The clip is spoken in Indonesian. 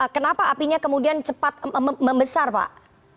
kenapa apinya kemudian cepat membesar pak